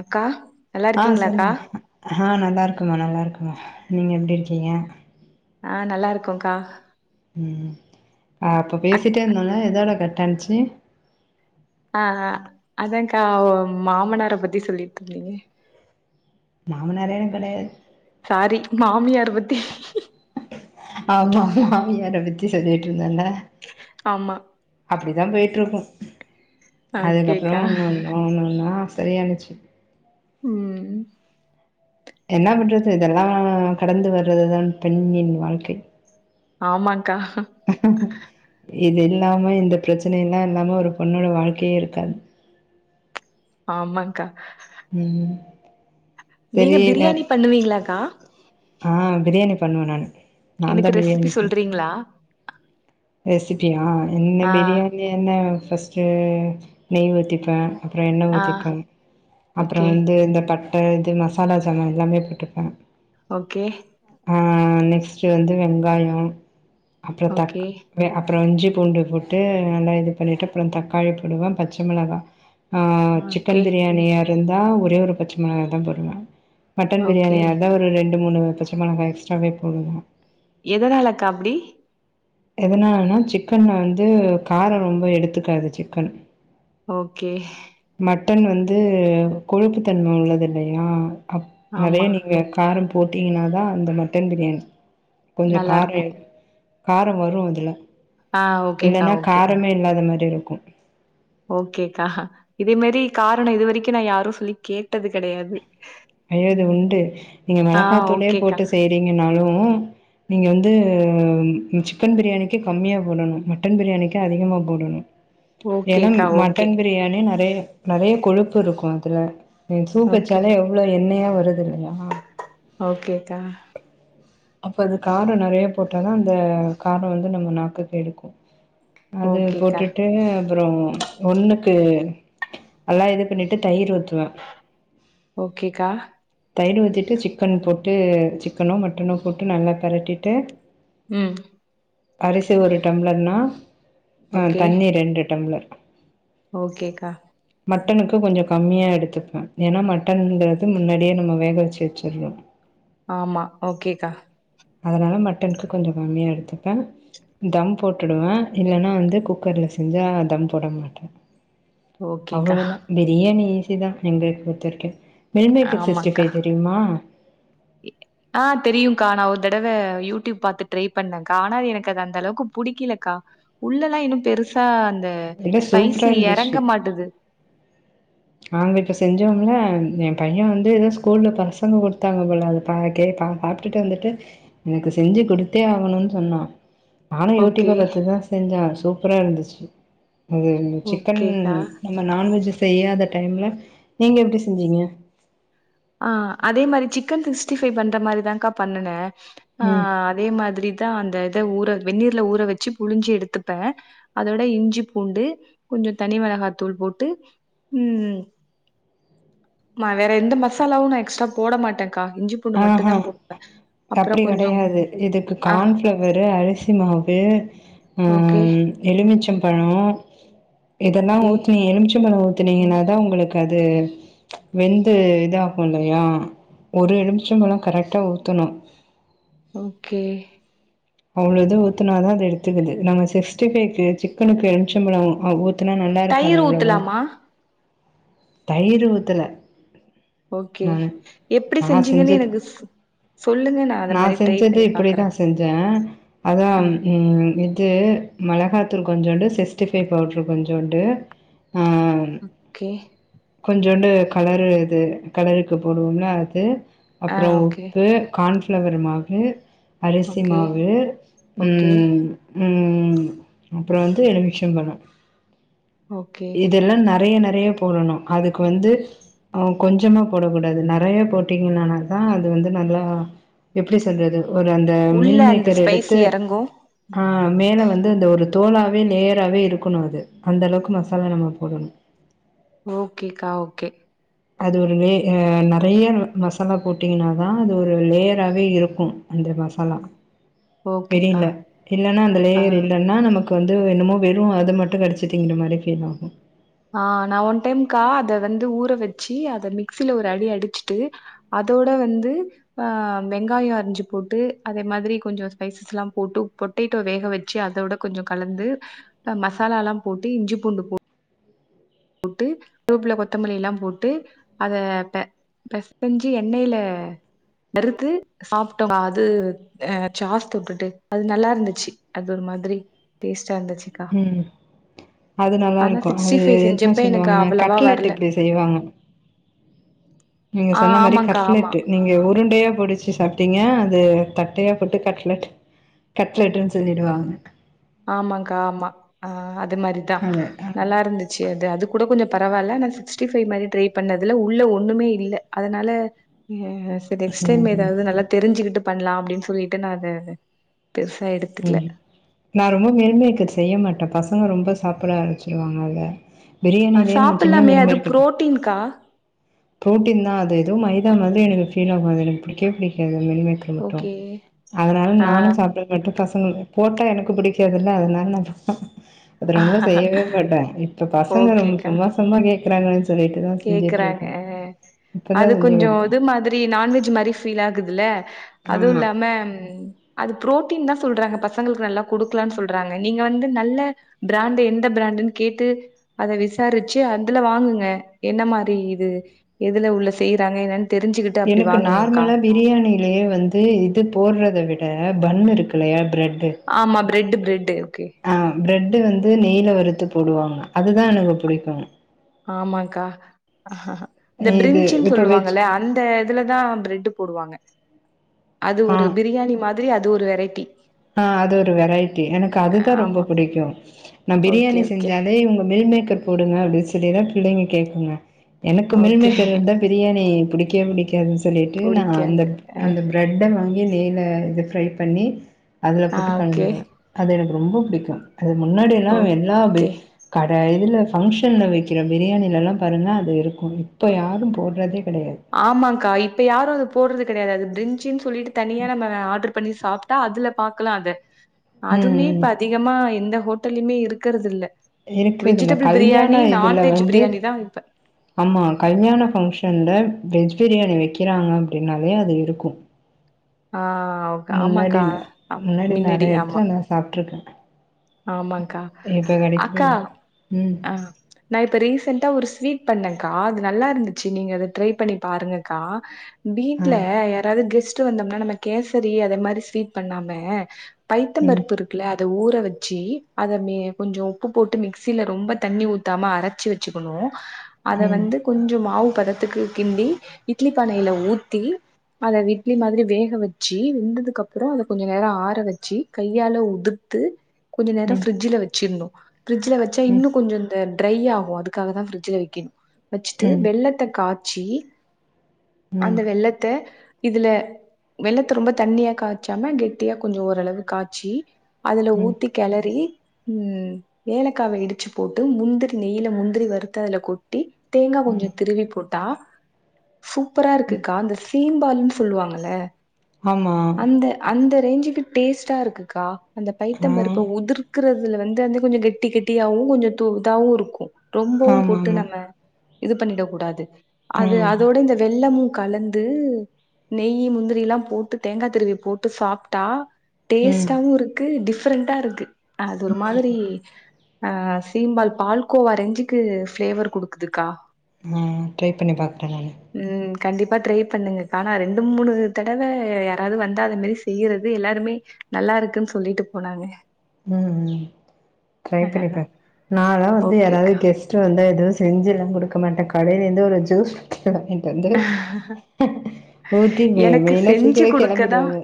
அக்கா நல்லா ஆ இருக்கீங்களாக்கா சேரிங்க ஆ நல்லா இருக்கோங்க நல்லா இருக்கோங்க நீங்க எப்டி இருக்கீங்க ஆ நல்லா இருக்கோ கா ம் ஆ இப்போ அக் பேசிட்டே இருந்தோல எதோட கட்டான்சி ஆ ஆ அத கா ஒ மாமனார பத்தி சொல்லிட்ரிந்திங்க மாமனாரே எனக்கெடையாது சாரி மாமியாரு பத்தி ஆமா மாமியார பத்தி சொல்லிட்ருந்தல ஆமா அப்டிதா பேய்ட்ருக்கு அதுக்கப்புறோ ஓகேக்கா கொஞ்சோ ஒன்னொன்னா சரியானுச்சு ம் என்ன பண்றது இதெல்லா கடந்து வர்றதுதான் பெண்ணின் வாழ்க்கை ஆமான்க்கா இது இல்லாம இந்த பிரச்சனைலா இல்லாம ஒரு பொண்ணோட வாழ்க்கையே இருக்காது ஆமான்க்கா ம் நீங்க சரி வேற பிரியாணி பண்ணுவீங்ளாக்கா ஆ பிரியாணி பண்ணுவ நானு நாந்தா பிரியாணி வப்ப பிங்குளா ரெசிபியா என்ன ஆ பிரியாணி என்ன ஃபஸ்ட்டு நெய் ஊத்திப்ப அப்றோ எண்ண ஆ ஊத்திப்பே அப்றோ ஓகே வந்து இந்த பட் ட இது மசாலா சாமா எல்லாமே போட்டுப்ப ஓகே ஆ நெக்ஸ்ட்டு வந்து வெங்காயோ அப்றோ தக் ஓகே வே அப்புறோ இஞ்சி பூண்டு போட்டு நல்லா இது பண்ணிட்டு அப்றோ தக்காளி போடுவ பச்ச மிளகா ஆ ஓகே சிக்கன் பிரியாணியா இருந்தா ஒரே ஒரு பச்ச மொளகாயதா போடுனு மட்டன் ஓகே பிரியாணியார்ந்தா ஒரு ரெண்டு மூணு பச்ச மொளகா எக்ஸ்ட்ராவே போடுவ எதனாலக்கா அப்டி எதனால்னா சிக்கன் வந்து காரோ ரொம்ப எடுத்துக்காது சிக்கனு ஓகே மட்டன் வந்து கொழுப்புதன்மை உள்ளது இல்லையா அப் ஆமா நெறையா நீங்க காரம் போட்டீங்னாதா அந்த மட்டன் பிரியாணி கொஞ்சோ நல்லா கார்ர இருக்கும் எடுக்கு காரோ வரு அதுல ஆ ஓகேக்கா இல்லனா ஓகே காரமே இல்லாத மாரி இருக்கு ஓகேக்கா இதே மாரி காரணோ இது வரைக்கு நா யாரு சொல்லி கேட்டது கெடையாது ஐயோ இது ம். உண்டு நீங்க ஆ மிளகாத்தூளே ஓகேக்கா. போட்டு செய்யறீங்கனாலு நீங்க வந்து சிக்கன் பிரியாணிக்கு கம்மியா போடணு மட்டன் பிரியாணிக்கு அதிகமா போடணு ஏனா ஓகேக்கா. ஓகே. மட்டன் பி ரியாணி நெறைய நெறைய கொழுப்பு இருக்கு அதுல நீங் சூப் ஓகே. வச்சாலே அவுளோ எண்ணயா வருதில்லையா ஓகேகா அப்ப அது கார நெறையா போட்டாதா அந்த காரோ வந்து நம்ம நாக்குக்கு எடுக்கு அது ஓகேக்கா. போட்டுட்டு அப்புறோ ஒன்னுக்கு நல்லா இது பண்ணிட்டு தயிர் ஊத்துவ ஓகேகா தயிர் ஊத்திட்டு சிக்கன் போட்டு சிக்கனோ மட்டனோ போட்டு நல்லா பெரட்டிட்டு ம் அரிசி ஒரு டம்ளர்னா அ தண்ணி ரெண்டு டம்ளர் ஓகேகா மட்டனுக்கு கொஞ்சோ கம்மியா எடுத்துப்ப ஏனா மட்டன்ங்கிறது முன்னாடியே நம்ம வேக வச்சு வச்சுறோ ஆமா ஓகேகா அதனால மட்டன்க்கு கொஞ்ச கம்மியா எடுத்துப்பே தம் போட்டுடுவே இல்லனா வந்து குக்கர்ல செஞ்சா தம் போட மாட்டே ஓகேக்கா. அவ்ளதா பிரியாணி ஈசி தா எங்களுக் பொறுத்த வரைக்கு மெல்மேக்கர் சிக்ஸ்டி ஆமாக்கா. ஃபை தெரியுமா ஆ தெரியுங்க்கா நா ஒர் தடவ யூடியூப் பாத்து ட்ரை பண்ணெங்க்கா ஆனா எனக்கது அந்தளவுக்கு புடிக்கிலக்கா உள்ளெல்லா இன்னு பெருசா அந்த எல்லாம் சூப்பரா ஸ்பைசி எறங்க இருந்துச்சு மாட்டுது நாங்க இப்ப செஞ்சோம்ல எ பைய்ய வந்து எதோ ஸ்கூல்ல பசங்க குடுத்தாங்க போல அது பா கேட்டா பாத் துட்டு வந்துட்டு எனக்கு செஞ்சு குடுத்தே ஆகணுன் சொன்னா நானு ஓகே. யூடியூப்ப பாத்து தா செஞ்சே சூப்பராயிருந்துச்சி அதுவந் சிக்கன் ஓகேக்கா. நம்ம நான்வெஜ்ஜ செய்யாத டைம்ல நீங்க எப்டி செஞ்சீங்க ஆ அதே மாரி சிக்கன் சிக்ஸ்டி ஃபை பண்ற மாரிதாக்கா பண்ணுனே ஆ ம் அதே மாதிரிதா அந்த இத ஊற வெந்நீர்ல ஊற வெச்சு புழிஞ்சு எடுத்துப்பே அதோட இஞ்சி பூண்டு கொஞ்சோ தனி மொளகாத்தூள் போட்டு ம் நா வேற எந்த மசாலாவு நா எக்ஸ்ட்ரா போட மாட்டேங்க்கா இஞ்சி பூண்டு ஆஹ மட்டுந்தா போடுவே. அப்புறோ அப்டி கொஞ்சோ கெடயாது இதுக்கு ஆ கான் ஃப்ளவரு அரிசி மாவு ஓகே ம் எலுமிச்சம் பழோ இதெல்லா ஓகே ஊத்தி நீ எலுமிச்சம் பழொ ஊத்துனீங்கனாதா உங்களுக்கு அது வெந்து இதாகுல்லையா ஒரு எலுமி ச்சம் பழொ கரெக்ட்டா ஊத்தணு ஓக்கே அவ்ளோத ஊத்துனாதா அது எடுத்துக்குது நாங்க சிக்ஸ்டி ஃபைக்கு சிக்கனுக்கு எலுமிச்சம் பழோ அ ஊத் ஊத்னா நல்லாயிருக்காது தயிர் அவ்ளவா ஊத்தலாமா? தையிரு ஊத்தல ஓகே நானு எப்டி செஞ்சீங்கன்னு செஞ்சது எனக்கு ஸ் நா செஞ்சது பாக்குறே. இப்டிதா செஞ்சே அதா ஆ ம் இது மெளகாத்தூள் கொஞ்சோண்டு சிஸ்ட்டிஃபை பவுட்ரு கொஞ்சோண்டு ஆ ஓக்கே கொஞ்சோண்டு கலரு இது கலருக்கு போடுவோம்ல அது ஆ அப்றோ ஓகே உப்பு கான்ஃப்ளவர் மாவு அரசி ஓகே மாவு ஓகே ம் உம் அப்றோ வந்து எலுமிச்சம் பழோ ஓகே இதெல்லா நறைய நறைய போடணு அதுக்கு வந்து அவங் கொஞ்சமா போடக் கூடாது நறைய போட்டீங்கனாநாக்க அது வந்து நல்லா எப்டி சொல்றது ஒரு அந்த உள்ள மில் அந்த மேக்கர் ஸ்பைசி எடுத்து எறங்கு ஆ மேல வந்து அந்த ஒரு தோலாவே லேயராவே இருக்கணு அது அந்தளவுக்கு மசாலா நம்ம போடணு ஓகேக்கா ஓகே அது ஒரு லே அ நறைய மசாலா போட்டீங்ன்னாதா அது ஒரு லேயராவேயிருக்கு அந்த மசாலா ஓகேக்கா பெரியில்ல இல்லன்னா அந்த ஆ லேயர் இல்லன்னா நமக்கு வந்து என்னமோ வெறு அது மட்டு கடிச்சித்திங்கிற மாரி ஃபீலாகு ஆ நா ஒன் டைம்க்கா அத வந்து ஊற வெச்சி அத மிக்சில ஒரடி அடிச்சிட்டு அதோட வந்து ஆ வெங்காயோ அரிஞ்சு போட்டு அதே மாதிரி கொஞ்சோ ஸ்பைசஸ் லா போட்டு உப்ப பொட்டேட்டோ வேக வெச்சு அதோட கொஞ்சோ கலந்து அ மசாலாலம் போட்டு இஞ்சி பூண்டு போட்டு போட்டு ரூப்ல கொத்தமல்லி லா போட்டு அத ப பேஸஞ்சி எண்ணெய்ல நறுத்து சாப்ட்டோ ஆ அது ஆ சாஸ் தொட்டுட்டு அது நல்லாயிருந்துச்சி அது ஒர் மாதிரி டேஸ்டாருந்தச்சி ம் அது நல்லாருக்கோ அது என்ன செஞ்சப்ப எனக்கு சொல்லுவாங்க அவ்வளவா கட்லெட் வரல. இப்டி செய்வாங்க நீங்க ஆ சொன்ன மாரி ஆமாங்க்கா, ஆமா. கட்லெட்டு நீங்க உருண்டையா பொடிச்சி சாப்பிட்டீங்க அது தட்டையா போட்டு கட்லெட் கட்லெட்டுன் சொல்லிடுவாங்க ஆமாங்க்கா ஆமா ஆ அது மாரிதா அது அது நல்லாயிருந்திச் ச்சி அது அது கூட கொஞ்சோ பரவால்ல ஆனா சிக்ஸ்டி ஃபைவ் மாரி ட்ரை பண்ணதுல உள்ள ஒண்ணுமே இல்ல அதனால எஸ் நெக்ஸ்ட் டைம் ம் ஏதாவது நல்லா தெரிஞ்சுக்கிட்டு பண்ணலா அப்படின்னு சொல்லிட்டு நா அது அது பெருசா எடு ம் நா ரொம்ப மீன்மேகர் செய்ய மாட்டே பசங்க ரொம்ப சாப்பட ஆராமிச்சுடுவாங்க அத அ பிரியாணிலயே நம்ம சின்ன சாப்பிடலாமே அது மீன்மேக்கர் புரோட்டீன்க்கா. ப்ரோட்டீன் தா அது ஏதோ மைதா மாரி எனக்கு ஃபீல் ஆகும் எனக்கு பிடிக்கவே பிடிக்காது மினிமேக்கர் கர் மட்டும் ஓகே. அதனால ஆ நானு சாப்ட மட்ட பசங்களுக்கு போட்டா எனக்கு புடிக்காதுல்ல அதனால நா போ அது ரொம்ப செய்யவே மாட்டே இப்ப பசங்க ரொம்ப ஓகேக்கா. சும்மா சும்மா கேக்கறாங்கன்னு சொல்லிட்டு தா கேக்குறாங்க செஞ்சுட்ருக்கே ஆ இப்பதா அது செஞ்சு கொஞ்சோ குடுத்தே இது மாதிரி நான்வெஜ் மாரி ஃபீல் ஆகுதுல்ல அதுவு ஆமா இல்லாம அது புரோட்டீன் தா சொல்றாங்க பசங்களுக்கு நல்லா குடுக்கலாம்னு சொல்றாங்க நீங்க வந்து நல்ல பிராண்ட எந்த பிராண்டுன்னு கேட்டு அத விசாரிச்சு அதுல வாங்குங்க என்ன மாரி இது எதுல உள்ள செய்யறாங்க என்னன் எனக்கு நார்மலா பிரியாணியிலயே வந்து இது போடுறத விட பண் இருக்கு இல்லையா பிரெட்டு் ஆமா பிரெட்டு பிரெட்டு ஓகே ஆ பிரெட்டு வந்து நெய்ல வறுத்து போடுவாங்க அதுதா எனக்கு புடிக்கும் ஆமாக்கா இந்த இது பிரிஞ்ச்சின்னு இப்ப வெஜ் சொல்லுவாங்கல்ல அந்த அதுலதா பிரெட்டு போடுவாங்க அது ஆ ஒரு பிரியாணி மாதிரி அது ஒரு வெரைட்டி ஆ அது ஒரு வெரைட்டி எனக்கு அதுதா ரொம்ப ஆமா பிடிக்கும் நா ஓகே பிரியாணி ஓகே செஞ்சாலே இவங்க மில் மேக்கர் போடுங்க அப்படின்னு சொல்லிதா பிள்ளைங்க கேக்குங்க எனக்கு மில் மேக்கர் ஓகே இருந்தா பிரியாணி பிடிக்கவே பிடிக்காதுன்னு சொல்லிட்டு நா அந்த புடிக்காது அ அந்த பிரெட் பிரெட்ட வாங்கி நெய்ல இது ஃப்ரை பண்ணி அதுல ஆ போட்டு ஓகே கலந்துருவே அது எனக்கு ரொம்ப புடிக்கும் அது முன்னாடில்லா எல்லா வெ ஓகே கட இதில ஃபங்க்ஷன்ல வெக்கிற பிரியாணிலலா பாருங்க அது இருக்கும் இப்போ யாரும் போடுறதே கெடையாது ஆமாக்கா இப்ப யாரும் அது போறது கெடையாது அது பிரஞ்ச்சின் சொல்லிட்டு தனியா நம்ம ஆர்டர் பண்ணி சாப் அதுல பாக்கலா அத ம் அதுமே ம் இப்ப அதிகமா எந்த ஹோட்டலயுமே இருக்கறது இல்ல இருக்குறது இல்ல வெஜிடபிள் பிரியாணி கல்யாண இதுல நான்வெஜ் வந்து பிரியாணி தான் இப்ப ஆமா கல்யாண ஃபங்க்ஷன்ல வெஜ் பிரியாணி வெக்கிறாங்க அப்படின்னாலே அது இருக்கும் ஆ ஓ முன்னாடில்ல முன்னாடி நெறைய ஆமா எடத்துல நா சாப்ட்ருக்கே ஆமாக்கா அக்கா இல்ல. ம். ஆ நா இப்ப ரீசெண்ட்டா ஒரு ஸ்வீட் பண்ணேக்கா அது நல்லா இருந்துச்சு நீங்க அது ட்ரை பண்ணி பாருங்கக்கா ஆ. வீட்ல யாராவது கெஸ்ட் வந்தோம்னா நம்ம கேசரி அதே மாதிரி ஸ்வீட் பண்ணாம ம். பைத்தம்பருப்பு இருக்குல்ல அத ஊறவ ச்சி அத மே கொஞ்சோ உப்பு போட்டு மிக்சியில ரொம்ப தண்ணி ஊத்தாம அரச்சு வெச்சுக்கணு அத ம். வந்து கொஞ்சோ மாவு பதத்துக்கு கிண்டி இட்லி பானையில ஊத்தி அதை விட்லி மாதிரி வேக வெச்சு வெந்ததுக்கு அப்புறோ அத கொஞ்சோ நேரோ ஆற வெச்சு கையால உதுத்து கொஞ்ச நேரோ ம். ஃப்ரிட்ஜில வெச்சிர்தோ ஃப்ரிட்ஜ்ல வச்சா ம். ம். இன்னு கொஞ்சோ இந்த ட்ரை ஆகு அதுக்காகதா ஃப்ரிட்ஜ்ல வெக்கணு வச்சுட்டு ம். வெள்ளத்த காச்சி அந்த ம். வெள்ளத்த இதுல வெள்ளத்த ரொம்ப தண்ணியா காச்சாம கெட்டியா கொஞ்சோ ஓரளவு காச்சி அதுல ம். ஊத்தி கெளறி ம் ஏலக்காவ இடிச்சு போட்டு முந்திரி நெய்ல முந்திரி வறுத்து அதுல கொட்டி தேங்கா கொஞ்சோ ம். திருவி போட்டா சூப்பரா இருக்குக்கா அந்த சீம் பாலூன்னு சொல்லுவாங்கல ஆமா அந்த அந்த ரேஞ்சுக்கு டேஸ்ட்டா இருக்குக்கா அந்த பைத்த ஆ. பருப்ப உதிர்க்ற அதுல வந்து வந்து கொஞ்சோ கெட்டி கெட்டியாவு கொஞ்சோ தூ இதாவு இருக்கு ரொம்பவு போட்டு ஆமாமா. நம்ம இது பண்ணிட கூடாது அது ம். அதோட இந்த வெள்ளமு கலந்து நெய் முந்திரியெல்லா போட்டு தேங்கா திருவி போட்டு சாப்ட்டா ம். டேஸ்ட்டாவு இருக்கு டிஃப்ரெண்ட்டா இருக்கு அது ஒரு மாதிரி அ சீம்பால் பால்கோவா ரெஞ்சுக்கு ஃபிளேவர் குடுக்குதுக்கா அ ட்ரை பண்ணி பாக்குறே நானு ம் கண்டிப்பா ட்ரை பண்ணுங்கக்கா ரெண்டு மூணு தடவ யாராவ்து வந்தா அது மாரி செய்யுறது எல்லாருமே நல்லா இருக்குன் சொல்லிட்டு போனாங்க ம் ம் ட்ரை பண்ணிப்பாக் நால வந்து யாராவது ஓகேக்கா கெஸ்ட் டு வந்த எதுவு செஞ்சுல்லா குடுக்க மாட்டே கடையிலருந்து ஒரு ஜூஸ் கெளம்பிட்டு வந்து ஊத்தி எனக்கு மெயினா செஞ்சு சீக்கிரோ குடுக்கதா கெளம்பிடுவாங்க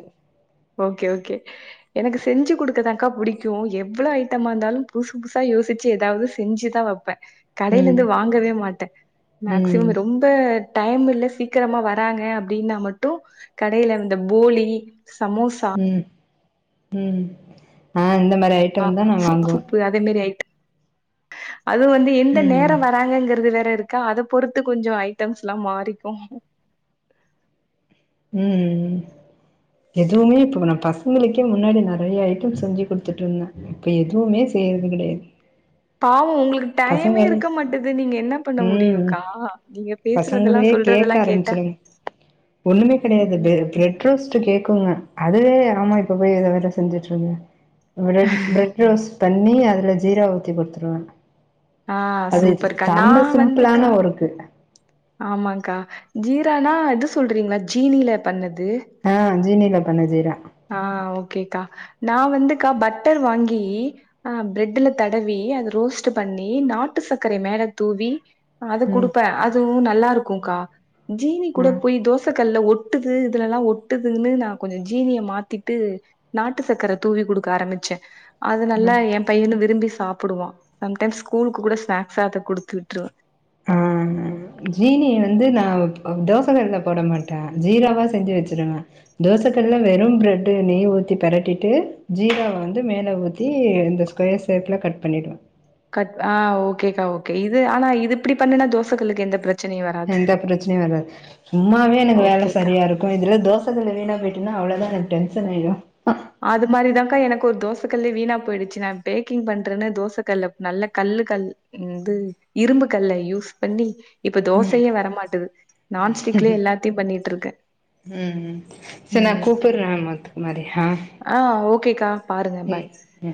ஓகே ஓகே எனக்கு செஞ்சு குடுக்கதாக்கா புடிக்கு எவ்ளோ ஐட்டமா இருந்தாலு புதுசு புதுசா யோசிச்சு ஏதாவது செஞ்சுதா ம் கடையிலந்து வாங்கவே மாட்டே மேக்சிமம் ம் ரொம்ப டைம் இல்ல சீக்கிரமா வராங்க அப்டின்னா மட்டு கடையில இந்த போலி சமோசா ம் ம் அ இந்த மாரி அய்ட் சூப்பு சூப்பு அதே மாரி அய்ட்டோ அது வந்து எந்த ம் நேரோ வராங்கங்றது வேற இருக்கா அத பொறுத்து கொஞ்சோ ஐட்டம்ஸ்ல்லா மாறிக்கு ம் ம் எதுவுமே இப்போ நா பசங்களுக்கே முன்னாடி நறைய ஐட்டம் செஞ்சு குடுத்துட்டுருந்தே இப்ப எதுவுமே செய்றது கெடையாது பாவு உங்ளுக்கு டைமே பசங்களே இருக்க மாட்டுது நீங்க என்ன பண்ண ம் முடியுகா நீங்க பேச்றதுல்லா பசங்களே கேக்க சொல்றதுல்லா கேட்டா ஆரம்பிச்சிடுங்க ஒண்ணுமே கெடையாது ம். பிர ஃப்ரட் ரோஸ்ட் கேக்குங்க அதுவே ஆமா இப்ப போய் இத வேற செஞ்சுட்டு இருங்க ஃப்ரெட் ஃப்ரட்ரோஸ்ட் பண்ணி அதுல ஜீரா ஊத்தி குடுத்துருவே ஆ அது சூப்பர்க்கா. செம்ம சிம்பிளான ஒர்க்கு ஆமாக்கா ஜீரானா எது சொல்றீங்ளா ஜீனில பண்ணது ஆ ஜீனியில பண்ணதே தா ஆ ஓகேக்கா நா வந்துக்கா பட்டர் வாங்கி ஆ பிரெட்ல தடவி அது ரோஸ்ட் பண்ணி நாட்டு சக்கர மேல தூவி அத ம் கொடுப்பே அதுவும் நல்லா இருக்கும்கா ஜீனி ஆ கூட போய் தோசை கல்ல ஒட்டி ஒட்டுது இதுலல்லாம் ஒட்டுதுன்னு நான் கொஞ்ச ஜீனிய மாத்திட்டு நாட்டு சக்கர தூவி குடுக்க ஆரம்பிச்சே அது நல்லா என் பையனு விரும்பி சாப்பிடுவா சம்டைம்ஸ்ஸ்கூலுக்கு கூட ஸ்நாக்ஸ்சா அதை குடுத்து விட்டுருவே. ஜீனிய வந்து நான் தோசை கல்ல போட மாட்டேன் ஜீராவா செஞ்சு வச்சிருவே தோசைகல்லுல வெறு பிரெட் நெய் ஊத்தி பிரட்டிட்டு ஜீராவ வந்து மேல ஊத்தி இந்த கொயர்ஷேப்ல கட் பண்ணிடுவே கட் ஆ ஓகேக்கா ஓகே இது ஆனா இது இப்படி பண்ணுனா தோசைகல்லு க்கு எந்த பிரச் எந்த பிரச்சனையும வராது சும்மாவே எனக்கு வேலை ஓகேக்கா. சரியா இருக்கு தோசை கல்லு வீன போயிட்னா அவ்வளோதான் எனக்கு டென்ஷன் ஆயிடு அது மாதிரிதான்க்கா எனக்கு ஒரு தோசை கல்லே வீணா போயிடுச்சு நான் பேக்கிங் பண்றேன்னு தோசை கல் நல்லா கல்லு கல் எனது இரும்பு கல்ல யூஸ் பண்ணி இப்ப தோசையே வரமாட்டுது நான்ஸ்டிக்லயே எல்லாத்தையு பண்ணிட்டு இருக்கே ம் சரி நா கூப்பிடுறே மது குமாரி ஆ ஆ ஓகேக்கா பாருங்க ம் பாய் ம்